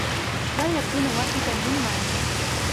لا يكون واحدا منّا.